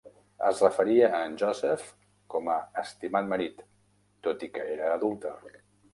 Es referia a en Joseph com a "estimat marit", tot i que era adúlter.